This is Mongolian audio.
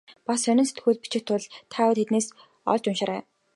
Бас сонин сэтгүүлд бичих тул та тэндээс олж уншаарай.